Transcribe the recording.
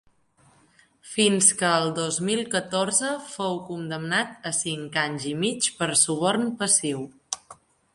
Fins que el dos mil catorze fou condemnat a cinc anys i mig per suborn passiu.